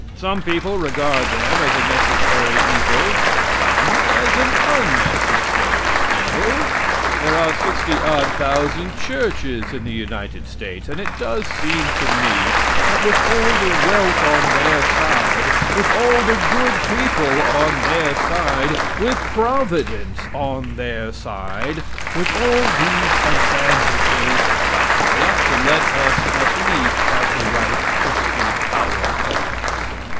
Some people regard them as a necessary evil; some as an unnecessary evil. There are sixty odd thousand churches in the United States; and it does seem to me that with all the wealth on their side; with all the good people on their side; with Providence on their side; with all these advantages they ought to let us at least have the right to speak our thoughts.